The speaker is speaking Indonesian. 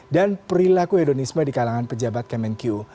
dan perilaku hedonisme di kalangan pejabat kemenkyu